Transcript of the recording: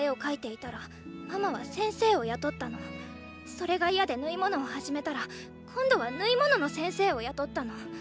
それが嫌で縫い物を始めたら今度は縫い物の先生を雇ったの。